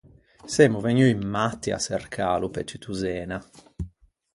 Semmo vegnui matti à çercâlo pe tutto Zena.